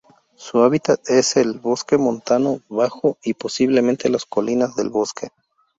Su hábitat es el bosque montano bajo y, posiblemente, las colinas del bosque.